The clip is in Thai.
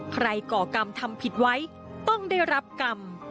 ก่อกรรมทำผิดไว้ต้องได้รับกรรม